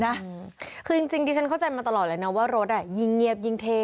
คือจริงดิฉันเข้าใจมาตลอดเลยนะว่ารถอ่ะยิ่งเงียบยิ่งเท่